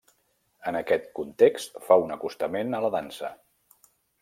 En aquest context fa un acostament a la dansa.